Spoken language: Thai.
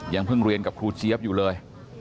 เพิ่งเรียนกับครูเจี๊ยบอยู่เลย